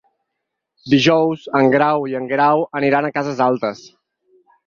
Dijous en Grau i en Guerau aniran a Cases Altes.